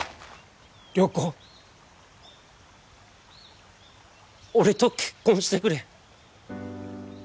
良子俺と結婚してくれ。